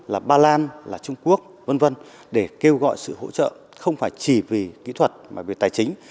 là ba lan là trung quốc v v để kêu gọi sự hỗ trợ không phải chỉ vì kỹ thuật mà về tài chính